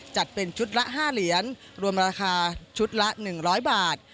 จัดเป็นชุดละ๕เหรียญรวมราคาชุดละ๑๐๐บาท